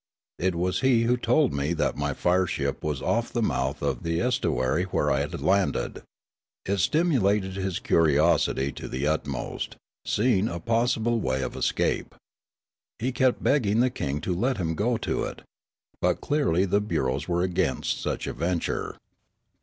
It was he who told me that my fireship was off the mouth of the estuary where I had landed. I stimulated his curiosity to the utmost, seeing a possible way of escape. He kept begging the king to let him go to it. But clearly the bureaus were against such a venture.